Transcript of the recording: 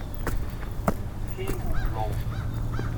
天湖路